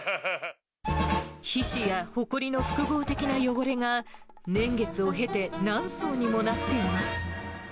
皮脂やほこりの複合的な汚れが、年月を経て何層にもなっています。